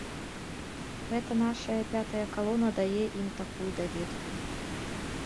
Гэта нашая пятая калона дае ім такую даведку.